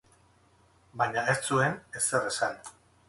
Baina ez zuen ezer esan.